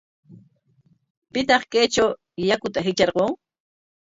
¿Pitaq kaytraw yaku hitrarqun?